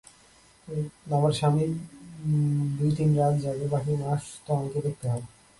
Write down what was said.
আমার স্বামী দুই-তিন রাত জাগে, বাকি মাস তো আমাকে দেখতে হয়।